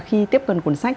khi tiếp cận cuốn sách